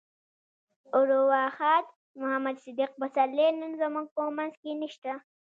ارواښاد محمد صديق پسرلی نن زموږ په منځ کې نشته.